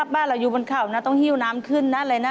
บ้านเราอยู่บนเขานะต้องหิ้วน้ำขึ้นนะอะไรนะ